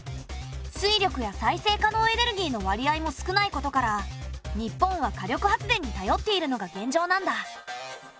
水力や再生可能エネルギーの割合も少ないことから日本は火力発電にたよっているのが現状なんだ。